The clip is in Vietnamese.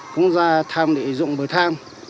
cũng ra thăm để dụng bờ thang